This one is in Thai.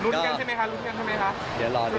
กลายเป็นด้านตัวหรอพ่อ